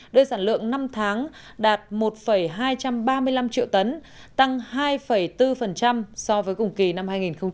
đưa sản lượng năm tháng đạt một hai trăm ba mươi năm triệu tấn tăng hai bốn so với cùng kỳ năm hai nghìn một mươi chín